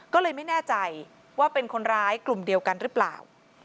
ก็เลยไม่แน่ใจว่าเป็นคนร้ายกลุ่มเดียวกันหรือเปล่า